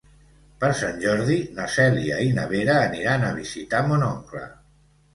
Per Sant Jordi na Cèlia i na Vera aniran a visitar mon oncle.